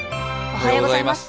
おはようございます。